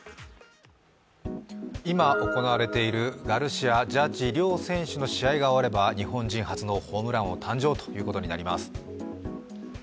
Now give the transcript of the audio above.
今、行われているガルシア、ジャッジ、両選手の試合が終われば日本人初のホームラン王誕生ということになります。